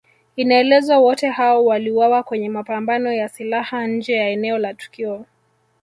Inaelezwa wote hao waliuawa kwenye mapambano ya silaha nje ya eneo la tukio